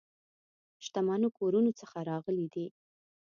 شتمنو کورونو څخه راغلي دي.